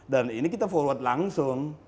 dan ini kita forward langsung